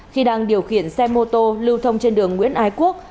khi đang điều khiển xe mô tô lưu thông trên đường nguyễn ái quốc